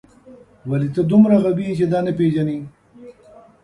ولې ته دومره غبي یې چې دا نه پېژنې